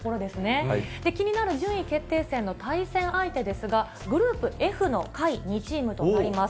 気になる順位決定戦の対戦相手ですが、グループＦの下位２チームとなります。